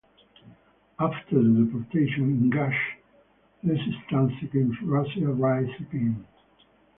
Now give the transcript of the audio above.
After the deportation Ingush resistance against Russia rises again.